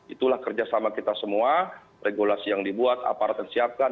itulah kerjasama kita semua regulasi yang dibuat aparat yang siapkan